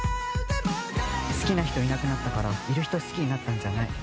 好きな人いなくなったからいる人好きになったんじゃないの。